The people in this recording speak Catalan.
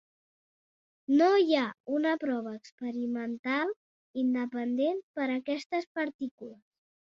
No hi ha una prova experimental independent per a aquestes partícules.